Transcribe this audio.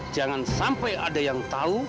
jangan sampai ada yang tahu